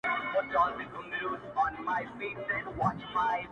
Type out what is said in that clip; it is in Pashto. پر اغزیو راته اوښ وهي رمباړي!!